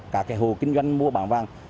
cả cái hộ kinh doanh mua bán vàng